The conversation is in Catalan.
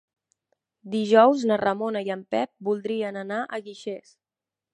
Dijous na Ramona i en Pep voldria anar a Guixers.